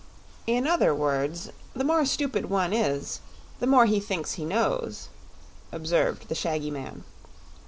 "In other words, the more stupid one is, the more he thinks he knows," observed the shaggy man.